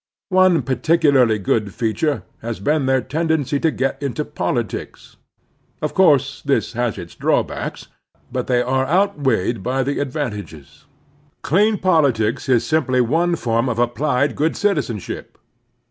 One particularly good feature has been their ten dency to get into politics. Of cotu^e this has its drawbacks, but they are outweighed by the advan tages. Clean politics is simply one form of applied good citizenship.